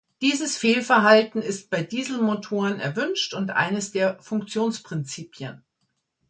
Dieses Verhalten ist bei Dieselmotoren erwünscht und eines der Funktionsprinzipien.